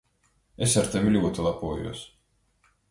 Es ar tevi ļoti lepojos!